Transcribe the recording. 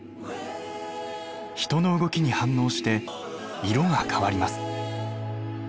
人の動きに反応して色が変わります。